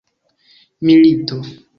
milito